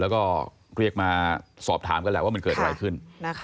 แล้วก็เรียกมาสอบถามกันแหละว่ามันเกิดอะไรขึ้น